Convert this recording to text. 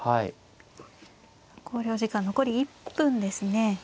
考慮時間残り１分ですね。